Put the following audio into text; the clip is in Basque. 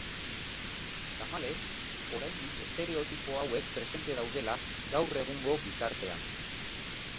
Tamalez, oraindik estereotipo hauek presente daudela gau egungo gizartean.